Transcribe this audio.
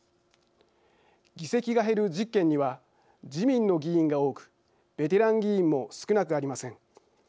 議席が減る１０県には自民の議員が多くベテラン議員も少なくありません。